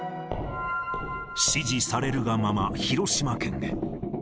指示されるがまま、広島県へ。